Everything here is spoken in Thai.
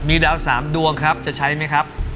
มีดาว๓ดวงครับจะใช้ไหมครับ